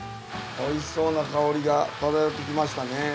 おいしそうな香りが漂ってきましたね。